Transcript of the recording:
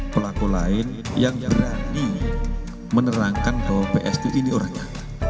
pelaku lain yang berani menerangkan bahwa ps itu ini orangnya